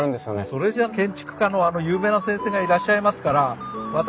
それじゃあ建築家のあの有名な先生がいらっしゃいますから私